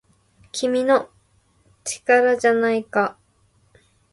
「君の！力じゃないか!!」